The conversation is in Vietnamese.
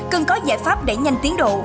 cần có giải pháp đẩy nhanh tiến độ